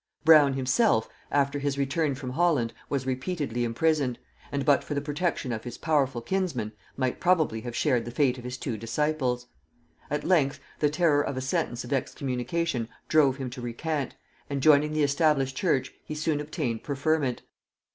Brown himself, after his return from Holland, was repeatedly imprisoned, and, but for the protection of his powerful kinsman might probably have shared the fate of his two disciples. At length, the terror of a sentence of excommunication drove him to recant, and joining the established church he soon obtained preferment.